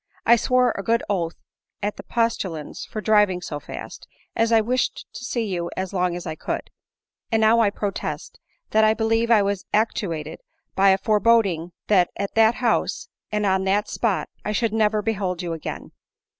I swore a good oath at the postillions for driving so fast, as I wished to see you as long as I could ; and now I protest that I believe I was actuated by a foreboding that at that house, and on that spot, I should never behold you again.